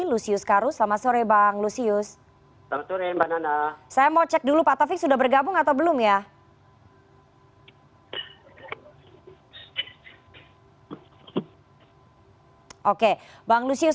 lusius karu selamat sore bang lusius